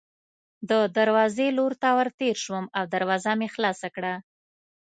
د دروازې لور ته ورتېر شوم او دروازه مې خلاصه کړه.